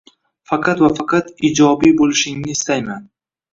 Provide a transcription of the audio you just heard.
Faqat va faqat iyjobiy boʻlishingni istayman.